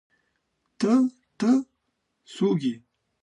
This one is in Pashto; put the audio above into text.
_ته، ته، څوک يې؟